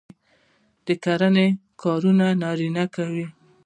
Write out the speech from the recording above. د کرنې کارونه نارینه کوي.